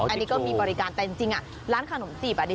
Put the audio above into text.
อันนี้ก็มีบริการแต่จริงอ่ะร้านขนมจีบอันนี้